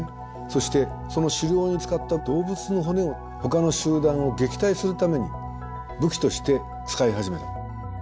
そしてその狩猟に使った動物の骨をほかの集団を撃退するために武器として使い始めた。